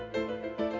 nih ini udah gampang